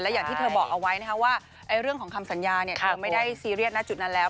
และอย่างที่เธอบอกเอาไว้ว่าเรื่องของคำสัญญาไม่ได้ซีเรียสนะจุดนั้นแล้ว